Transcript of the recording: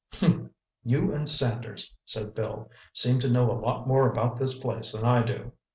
"Humph! You and Sanders," said Bill, "seem to know a lot more about this place than I do."